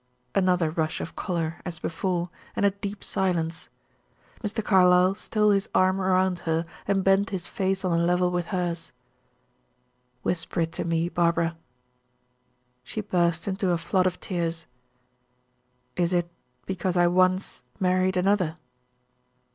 Another rush of color as before and a deep silence. Mr. Carlyle stole his arm around her and bent his face on a level with hers. "Whisper it to me, Barbara." She burst into a flood of tears. "Is it because I once married another?"